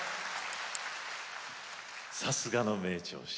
さすがの名調子！